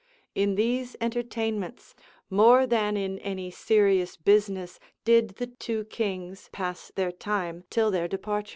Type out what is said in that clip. In these entertainments, more than in any serious business, did the two kings pass their time, till their departure.